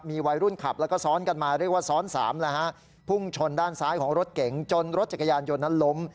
มีวัยรุ่นขับแล้วก็ซ้อนกันมาเรียกว่าซ้อนสามนะฮะพุ่งชนด้านซ้ายของรถเก๋งจนรถจักรยานยนต์นั้นล้ม